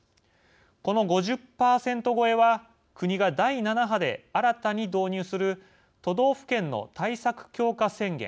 この５０％超えは国が第７波で新たに導入する都道府県の対策強化宣言